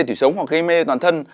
thủy sống hoặc gây mê toàn thân